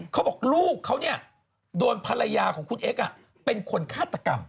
เขาบอกลูกเขาเนี่ยโดนภรรยาของคุณเอ็กซ์เป็นคนฆาตกรรม